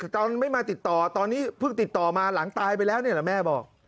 ตอนไม่มาติดต่อตอนนี้เพิ่งติดต่อมาหลังตายไปแล้วนี่แหละแม่บอก